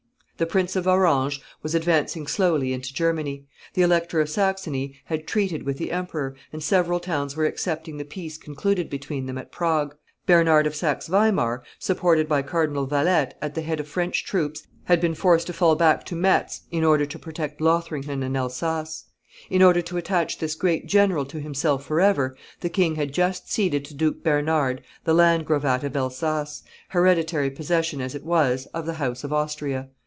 The Prince of Orange was advancing slowly into Germany; the Elector of Saxony had treated with the emperor, and several towns were accepting the peace concluded between them at Prague; Bernard of Saxe Weimar, supported by Cardinal Valette, at the head of French troops, had been forced to fall back to Metz in order to protect Lothringen and Elsass. In order to attach this great general to himself forever, the king had just ceded to Duke Bernard the landgravate of Elsass, hereditary possession, as it was, of the house of Austria.